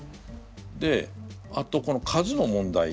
であとこの数の問題。